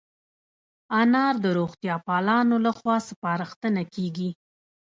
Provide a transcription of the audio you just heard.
انار د روغتیا پالانو له خوا سپارښتنه کېږي.